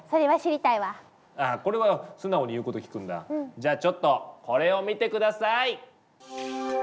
じゃちょっとこれを見て下さい！